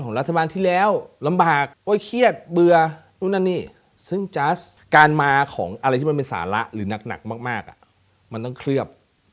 ของอะไรที่มันเป็นสาระหรือนักมากมันต้องเคลือบ